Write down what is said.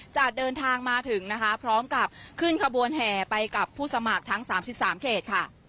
จะเดินทางมาถึงนะคะพร้อมกับขึ้นขบวนแห่ไปกับผู้สมัครทั้ง๓๓เขตค่ะ